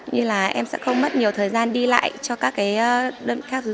như là em sẽ không mất nhiều thời gian đi lại cho các cái đơn vị khác